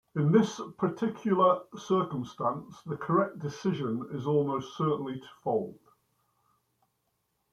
In this particular circumstance, the correct decision is almost certainly to fold.